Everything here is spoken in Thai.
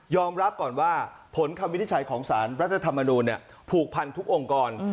รับก่อนว่าผลคำวินิจฉัยของสารรัฐธรรมนูลผูกพันทุกองค์กร